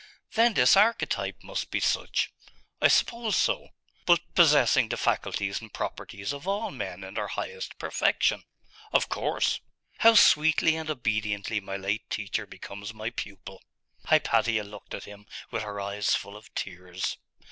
'Then this archetype must be such.' 'I suppose so.' 'But possessing the faculties and properties of all men in their highest perfection.' 'Of course.' 'How sweetly and obediently my late teacher becomes my pupil!' Hypatia looked at him with her eyes full of tears.